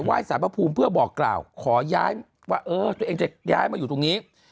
สารพระภูมิเพื่อบอกกล่าวขอย้ายว่าเออตัวเองจะย้ายมาอยู่ตรงนี้